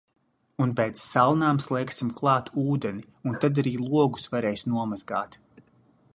Un pēc salnām slēgsim klāt ūdeni un tad arī logus varēs nomazgāt.